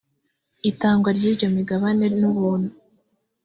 itangwa ryiyo migabane nubuntu.